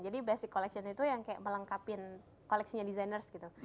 basic collection itu yang kayak melengkapin koleksinya designers gitu